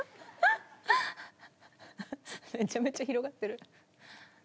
めちゃめちゃ広がってる。